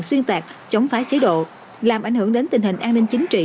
xuyên tạc chống phá chế độ làm ảnh hưởng đến tình hình an ninh chính trị